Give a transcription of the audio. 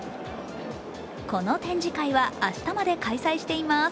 この展示会は明日まで開催しています。